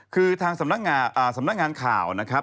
คือทางสำนักงานข่าวนะครับ